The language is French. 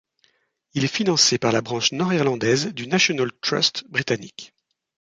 Il est financé par la branche nord-irlandaise du National Trust britannique.